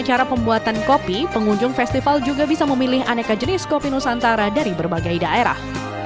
cara pembuatan kopi pengunjung festival juga bisa memilih aneka jenis kopi nusantara dari berbagai daerah